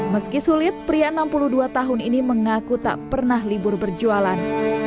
meski sulit pria enam puluh dua tahun ini mengaku tak pernah libur berjualan